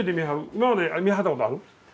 今まで見はったことある？